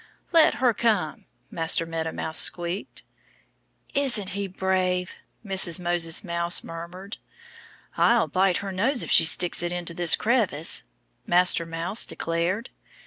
"Let her come!" Master Meadow Mouse squeaked. "Isn't he brave!" Mrs. Moses Mouse murmured. "I'll bite her nose if she sticks it into this crevice," Master Mouse declared.